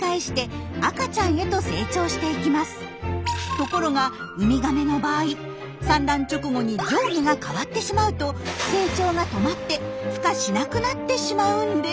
ところがウミガメの場合産卵直後に上下が変わってしまうと成長が止まってふ化しなくなってしまうんです。